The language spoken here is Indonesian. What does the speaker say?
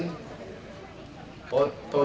di bapak bupati